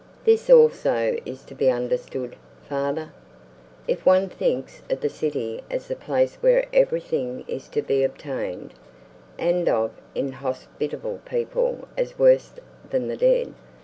"This also is to be understood, father, if one thinks of the city as the place where everything is to be obtained, and of inhospitable people as worse than the dead.